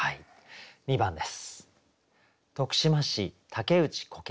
２番です。